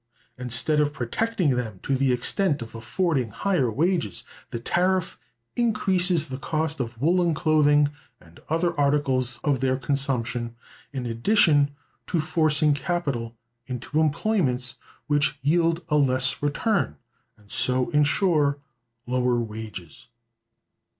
Instead of "protecting" them to the extent of affording higher wages, the tariff increases the cost of woolen clothing and other articles of their consumption, in addition to forcing capital into employments which yield a less return, and so insure lower wages.